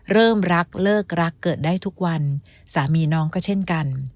เริ่มรักเลิกรักเกิดได้ทุกวันสามีน้องก็เช่นกัน